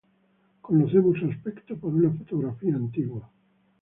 Conocemos su aspecto por una fotografía antigua.